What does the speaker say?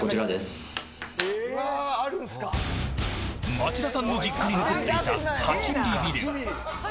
町田さんの実家に残っていた８ミリビデオ。